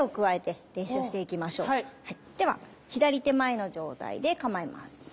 では左手前の状態で構えます。